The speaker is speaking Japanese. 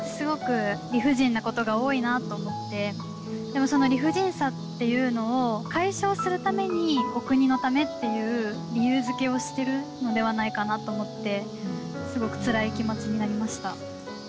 でもその理不尽さっていうのを解消するためにお国のためっていう理由付けをしてるのではないかなと思ってすごくつらい気持ちになりました。